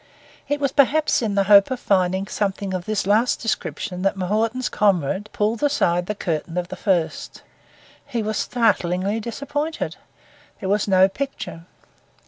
It was perhaps in the hope of finding something of this last description that M'Naughten's comrade pulled aside the curtain of the first. He was startlingly disappointed. There was no picture.